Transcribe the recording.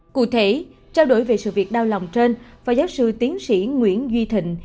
cụ thể trao đổi về sự việc đau lòng trên phó giáo sư tiến sĩ nguyễn duy thịnh